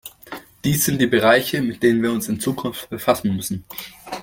Dies sind die Bereiche, mit denen wir uns in Zukunft befassen müssen.